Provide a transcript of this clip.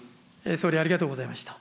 総理、ありがとうございました。